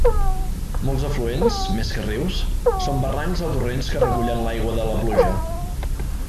Molts afluents, més que rius, són barrancs o torrents que recullen l'aigua de la pluja.